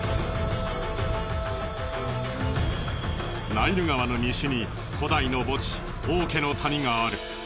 ナイル川の西に古代の墓地王家の谷がある。